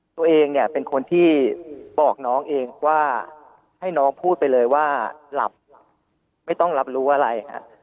ตัวเองเนี่ยเป็นคนที่บอกน้องเองว่าให้น้องพูดไปเลยว่าหลับไม่ต้องรับรู้อะไรฮะ